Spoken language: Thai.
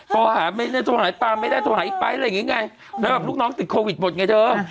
โทรหาไม่ได้โทรหาปลาไม่ได้โทรหาอีกไปอะไรอย่างนี้ไงแล้วแบบลูกน้องติดโควิดหมดไงเธอ